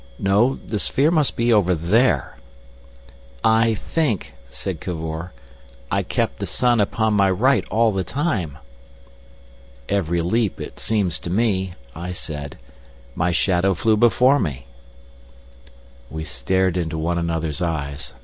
No—the sphere must be over there." "I think," said Cavor, "I kept the sun upon my right all the time." "Every leap, it seems to me," I said, "my shadow flew before me." We stared into one another's eyes.